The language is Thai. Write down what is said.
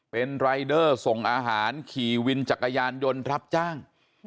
เป็นรายเดอร์ส่งอาหารขี่วินจักรยานยนต์รับจ้าง